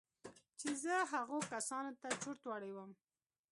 خو زه هغو کسانو ته چورت وړى وم.